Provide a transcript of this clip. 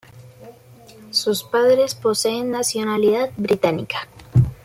Sus padres poseen nacionalidad británica.